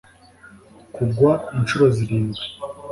kugwa inshuro zirindwi,